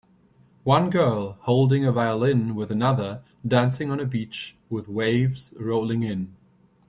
One girl holding a violin with another dancing on a beach with waves rolling in.